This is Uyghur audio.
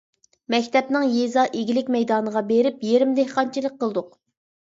مەكتەپنىڭ يېزا ئىگىلىك مەيدانىغا بېرىپ، يېرىم دېھقانچىلىق قىلدۇق.